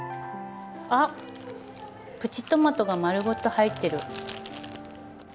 あっプチトマトが丸ごと入ってる。